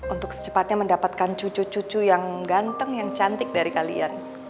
untuk secepatnya mendapatkan cucu cucu yang ganteng yang cantik dari kalian